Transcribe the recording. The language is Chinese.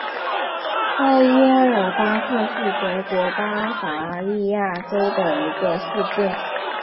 奥伊埃尔巴赫是德国巴伐利亚州的一个市镇。